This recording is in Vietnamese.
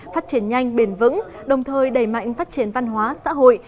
phát triển nhanh bền vững đồng thời đẩy mạnh phát triển văn hóa xã hội